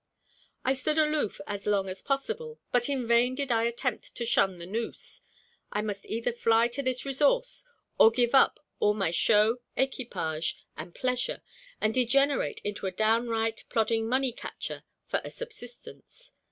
I stood aloof as long as possible; but in vain did I attempt to shun the noose. I must either fly to this resource or give up all my show, equipage, and pleasure, and degenerate into a downright, plodding money catcher for a subsistence.